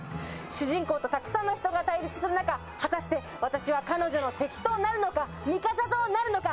主人公とたくさんの人が対立する中、果たして私は彼女の敵となるのか、味方となるのか？